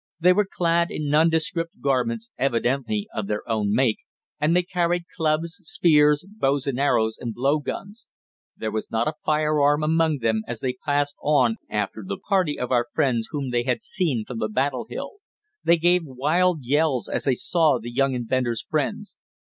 They were clad in nondescript garments, evidently of their own make, and they carried clubs, spears, bows and arrows and blow guns. There was not a firearm among them, as they passed on after the party of our friends whom they had seen from the battle hill. They gave wild yells as they saw the young inventor's friends.